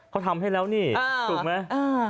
เขาทำให้แล้วนี่ถูกไหม